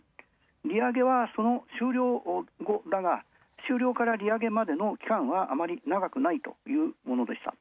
利上げはその終了後だが終了から利上げまでの期間はあまり長くないというものでした。